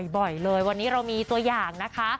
บ่อยเลยวันนี้เรามีตัวอย่างนะคะ